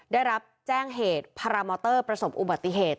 ได้รับแจ้งเหตุพารามอเตอร์ประสบอุบัติเหตุ